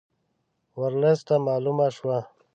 ورلسټ ته معلومه شوه.